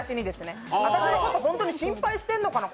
私のこと、本当に心配してるのかな